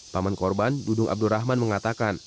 paman korban dudung abdul rahman mengatakan